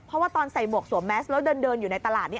เพราะว่าตอนใส่หมวกสวมแมสแล้วเดินอยู่ในตลาดนี่